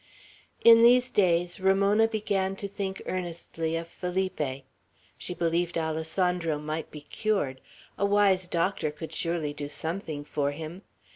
In these days Ramona began to think earnestly of Felipe. She believed Alessandro might be cured. A wise doctor could surely do something for him.